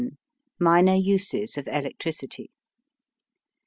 MINOR USES OF ELECTRICITY.